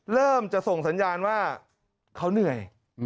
เริ่มจะส่งสัญญาณว่าเขาเหนื่อย